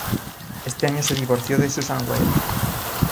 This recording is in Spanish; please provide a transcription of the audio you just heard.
Ese año se divorció de Susan Weil.